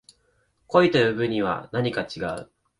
恋と呼ぶにはなにか違う